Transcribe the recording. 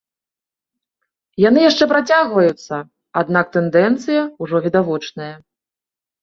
Яны яшчэ працягваюцца, аднак тэндэнцыя ўжо відавочная.